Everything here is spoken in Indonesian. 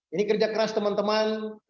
ini kerja keras teman teman